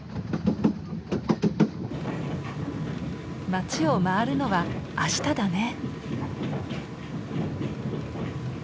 街を回るのはあしただね。